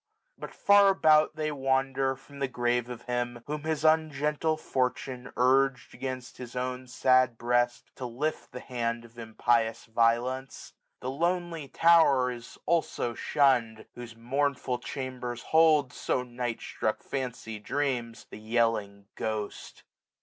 But far about they wander from the grave 167 s Of him, whom his ungentle fortune urgM Against his own sad breast to lift the hand Of impious violence. The lonely tower Is also shun'd ; whose mournful chambers hold. So night struck Fancy dreams, the yelling ghoft.